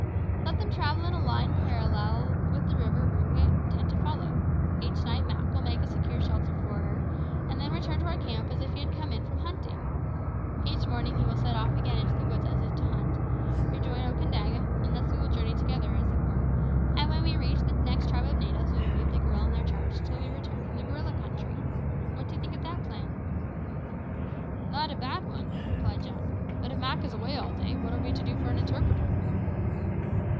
Let them travel in a line parallel with the river route which we intend to follow. Each night Mak will make a secure shelter for her, and then return to our camp as if he had come in from hunting. Each morning he will set off again into the woods as if to hunt, rejoin Okandaga; and thus we will journey together, as it were, and when we reach the next tribe of natives we will leave the girl in their charge until we return from the gorilla country. What do you think of that plan?" "Not a bad one," replied Jack; "but if Mak is away all day, what are we to do for an interpreter?"